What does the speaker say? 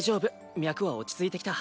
脈は落ち着いてきた。